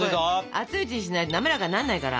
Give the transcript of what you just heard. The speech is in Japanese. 熱いうちにしないとなめらかになんないから。